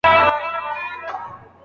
که شاګرد مطالعه ونه کړي نو بریالی به نسي.